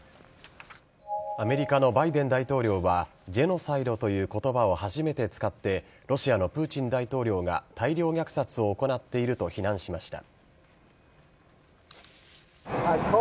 アメリカのバイデン大統領はジェノサイドという言葉を初めて使ってロシアのプーチン大統領が大量虐殺を行っていると非難しました。